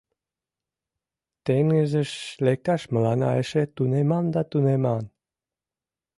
— Теҥызыш лекташ мыланна эше тунемман да тунемман...